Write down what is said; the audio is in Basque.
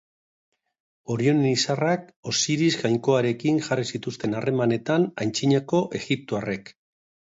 Orionen izarrak Osiris jainkoarekin jarri zituzten harremanetan antzinako egiptoarrek.